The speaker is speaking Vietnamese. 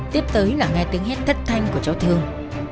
tiếp tới là nghe tiếng hát thất thanh của cháu thương